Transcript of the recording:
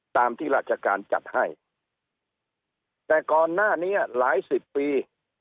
ตามที่ราชการจัดให้แต่ก่อนหน้านี้หลายสิบปี